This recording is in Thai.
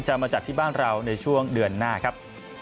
มาจัดที่บ้านเราในช่วงเดือนหน้าครับ